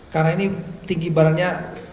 karena ini tinggi barangnya